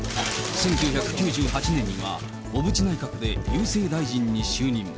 １９９８年には、小渕内閣で郵政大臣に就任。